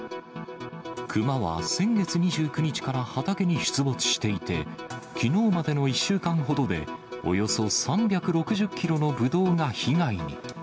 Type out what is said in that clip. クマは先月２９日から畑に出没していて、きのうまでの１週間ほどで、およそ３６０キロのぶどうが被害に。